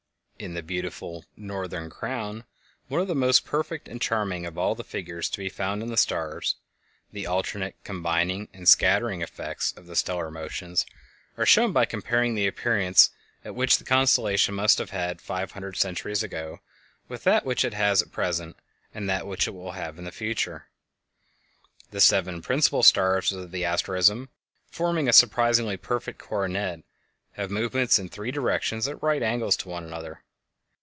In the beautiful "Northern Crown," one of the most perfect and charming of all the figures to be found in the stars, the alternate combining and scattering effects of the stellar motions are shown by comparing the appearance which the constellation must have had five hundred centuries ago with that which it has at present and that which it will have in the future. The seven principle stars of the asterism, forming a surprisingly perfect coronet, have movements in three directions at right angles to one another.